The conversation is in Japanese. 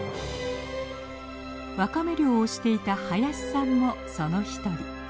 ワカメ漁をしていた林さんもその一人。